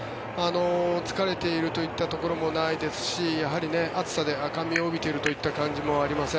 疲れているといったところもないですしやはり暑さで赤みを帯びているといった感じもありません。